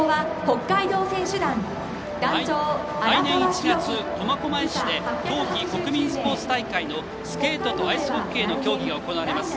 来年１月、苫小牧市で冬季国民スポーツ大会のスケートとアイスホッケーの競技が行われます。